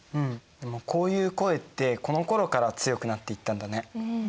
でもこういう声ってこのころから強くなっていったんだね。